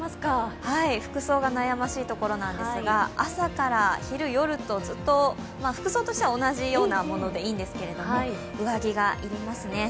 服装が悩ましいところなんですが、朝から昼、夜とずっと服装としては同じようなものでいいんですけれども、上着が要りますね。